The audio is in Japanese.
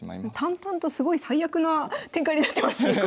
淡々とすごい最悪な展開になってますねこれ。